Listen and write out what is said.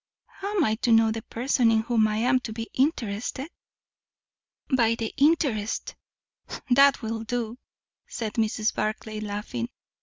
How am I to know the person in whom I am to be interested?" "By the interest." "That will do!" said Mrs. Barclay, laughing.